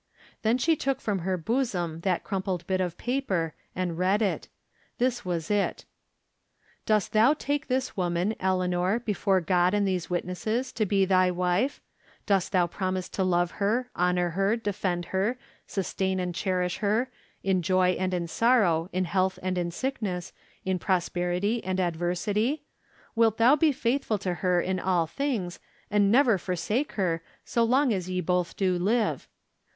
Then she took from her bosom that crumpled bit of paper and read it. This was it :" Dost thou take this woman, Eleanor, before God and these witnesses, to be thy wife ? Dost thou promise to love her, honor her, defend her, sustain and cherish her, in joy and in sorrow, in health and in sickness, in prosperity and adver sity ? WUt thou be faithful to her in all things, and never forsake her, so long as ye both do live